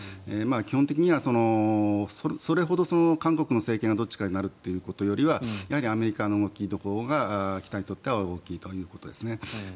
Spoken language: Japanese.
基本的にはそれほど韓国の政権がどっちかになるということよりはやはりアメリカの動きが北にとっては大きいということですね。